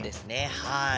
はい。